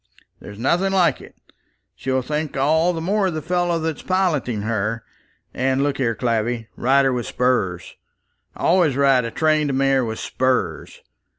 There's nothing like it. She'll think all the more of the fellow that's piloting her. And look here, Clavvy; ride her with spurs. Always ride a trained mare with spurs.